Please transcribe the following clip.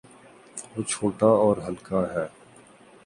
وہ چھوٹا اور ہلکا ہے۔